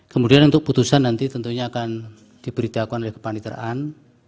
kemudian untuk putusan nanti tentunya akan diberitakan oleh kepaniteraan